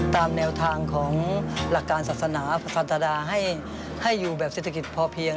ตามแนวทางของหลักการศาสนาฟันตดาให้อยู่แบบเศรษฐกิจพอเพียง